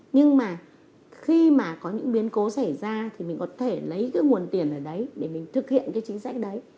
nhưng mà khi mà có những biến cố xảy ra thì mình có thể lấy cái nguồn tiền ở đấy để mình thực hiện cái chính sách đấy